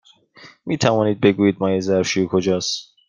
می توانید بگویید مایع ظرف شویی کجاست؟